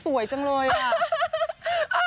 ทีนี้ก็ถือว่าเริ่มต้นสตาร์ทปีที่ดีมากค่ะ